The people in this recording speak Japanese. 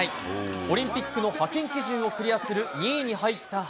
オリンピックの派遣基準をクリアする２位に入った原。